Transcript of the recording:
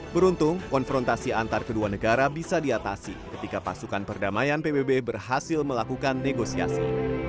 beruntung konfrontasi antar kedua negara bisa diatasi ketika pasukan perdamaian pbb berhasil melakukan negosiasi